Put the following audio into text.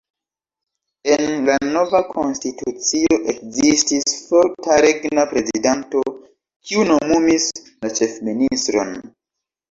En la nova konstitucio ekzistis forta regna prezidanto, kiu nomumis la ĉefministron.